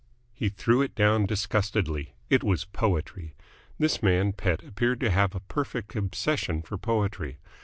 He threw it down disgustedly. It was poetry. This man Pett appeared to have a perfect obsession for poetry.